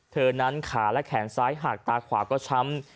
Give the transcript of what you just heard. เธอนั้นขาและแขนซ้ายหักตาขวาก็ช้ำ